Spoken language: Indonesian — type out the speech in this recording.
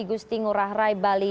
igusti ngurah rai bali